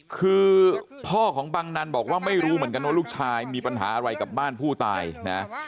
คือพ่อของบังนันบอกว่าไม่รู้เหมือนกันว่าลูกชายมีปัญหาอะไรกับบ้านผู้ตายนะ